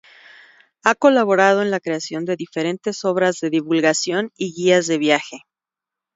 Ha colaborado en la creación de diferentes obras de divulgación y guías de viaje.